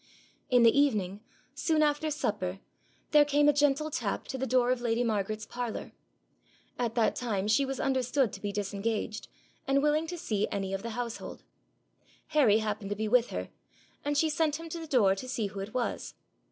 In the evening, soon after supper, there came a gentle tap to the door of lady Margaret's parlour. At that time she was understood to be disengaged, and willing to see any of the household. Harry happened to be with her, and she sent him to the door to see who it was.